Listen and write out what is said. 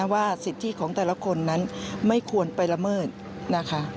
ว่าสิทธิของแต่ละคนนั้นไม่ควรไปละเมิดนะคะ